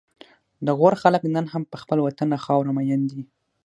د غور خلک نن هم په خپل وطن او خاوره مین دي